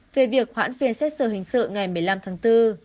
về việc hoãn phiên xét xử hình sự ngày một mươi năm tháng bốn